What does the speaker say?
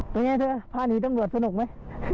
เธอง่ายเถอะพาหนีต้องรวดสนุกมั้ย